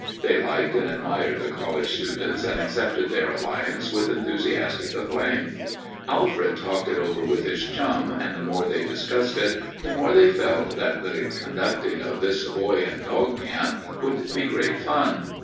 They liked and admired the college students and accepted their alliance with enthusiastic acclaim. Alfred talked it over with his chum, and the more they discussed it the more they felt that the conducting of this boy and dog camp would be great fun.